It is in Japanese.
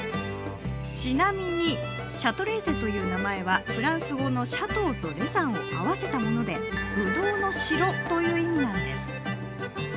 ちなみに、シャトレーゼという名前はフランス語のシャトーとレザンを合わせたものでぶどうの城という意味なんです。